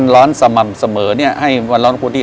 ความร้อนแต่จะเปรียบรทานแบบนี้